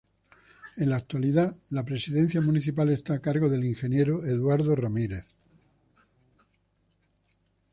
En la actualidad, la presidencia municipal está a cargo del ingeniero Eduardo Ramírez.